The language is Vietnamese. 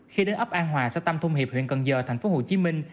khi đến ấp an hòa xã tâm thung hiệp huyện cần giờ thành phố hồ chí minh